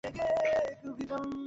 মায়ের হাতে আঘাত লেগেছে!